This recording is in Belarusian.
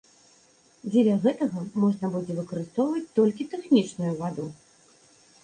Дзеля гэтага можна будзе выкарыстоўваць толькі тэхнічную ваду.